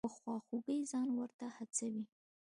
په خواخوږۍ ځان ورته هڅوي.